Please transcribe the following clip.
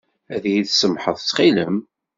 Ad iyi-tsamḥeḍ ttxil-m?